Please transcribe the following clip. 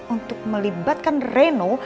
untuk melibatkan reno